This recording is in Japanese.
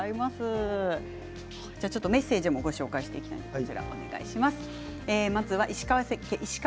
メッセージもご紹介しますね。